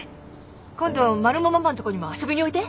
今度マルモママんとこにも遊びにおいで。